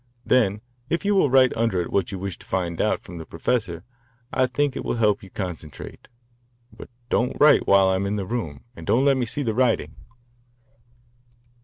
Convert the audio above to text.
Then if you will write under it what you wish to find out from the professor I think it will help you concentrate. But don't write while I am in the room, and don't let me see the writing."